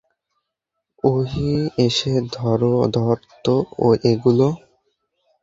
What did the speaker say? ওই, এসে ধর তো এগুলো।